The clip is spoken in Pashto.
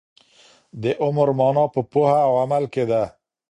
د عمر مانا په پوهه او عمل کي ده.